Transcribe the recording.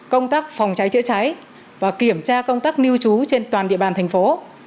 công tác phòng cháy chữa cháy và kiểm tra công tác lưu trú trên toàn địa bàn thành phố